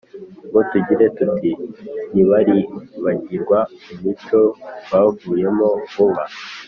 ngo tugire tuti ntibaribagirwa imico bavuyemo vuba,